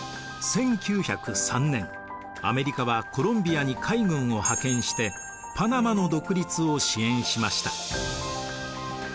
１９０３年アメリカはコロンビアに海軍を派遣してパナマの独立を支援しました。